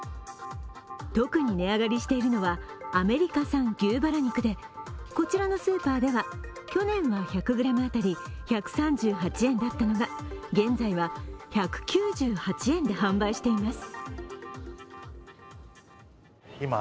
特に値上がりしているのはアメリカ産牛バラ肉でこちらのスーパーでは去年は１００ｇ当たり１３８円だったのが現在は１９８円で販売しています。